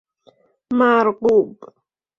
مرغوب